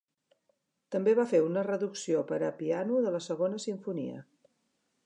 També va fer una reducció per a piano de la segona simfonia.